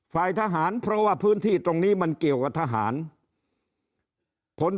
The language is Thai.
ฝ่ายทหารเพราะว่าพื้นที่ตรงนี้มันเกี่ยวกับทหารผล